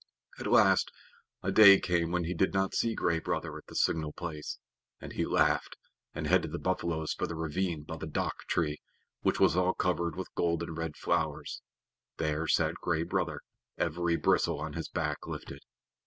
At last a day came when he did not see Gray Brother at the signal place, and he laughed and headed the buffaloes for the ravine by the dhk tree, which was all covered with golden red flowers. There sat Gray Brother, every bristle on his back lifted.